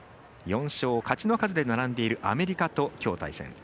４勝、勝ちの数で並んでいるアメリカときょう対戦。